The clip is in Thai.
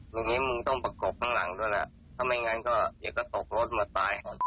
มึงนี้มึงต้องประกบข้างหลังด้วยล่ะถ้าไม่อย่างงั้นก็อย่าก็ตกรถมาตาย